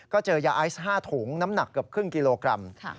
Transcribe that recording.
ก็เจอยาไอซ์๕ถุงน้ำหนักเกือบครึ่งกิโลกรัม